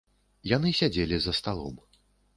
Яны сядзелі за сталом.